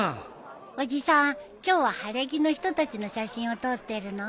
おじさん今日は晴れ着の人たちの写真を撮ってるの？